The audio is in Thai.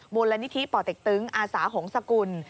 มูลนิธิป่อเต็กตึงอาสาหงษกุล